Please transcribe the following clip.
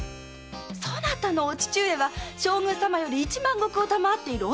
そなたの父上は将軍様より一万石を賜っているお大名です！